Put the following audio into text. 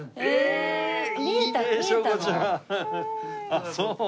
あっそう。